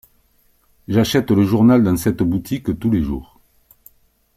J’achète le journal dans cette boutique tous les jours.